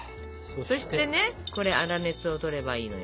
そしてねこれ粗熱をとればいいのよ。